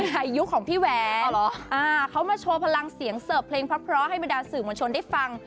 นี่ไงยุคของพี่แหวนอ๋อเหรออ่าเขามาโชว์พลังเสียงเสิร์ฟเพลงพระเพราะให้บรรดาสื่อมวลชนได้ฟัง